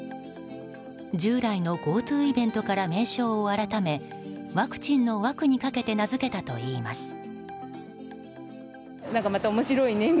従来のＧｏＴｏイベントから名称を改めワクチンのワクにかけて名付けたといいます。